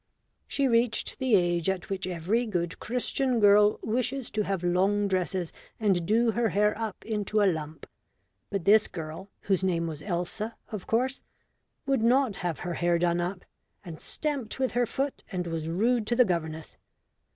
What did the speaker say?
She reached the age at which every good Christian girl wishes to have long dresses and do her hair up into a lump, but this girl (whose name was Elsa, of course) would not have her hair done up, and stamped with her foot and was rude to the governess.